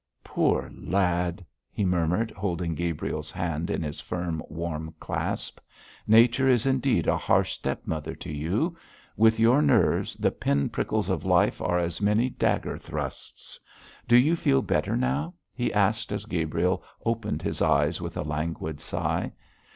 'Poor lad!' he murmured, holding Gabriel's hand in his firm, warm clasp. 'Nature is indeed a harsh stepmother to you. With your nerves, the pin prickles of life are so many dagger thrusts. Do you feel better now?' he asked, as Gabriel opened his eyes with a languid sigh.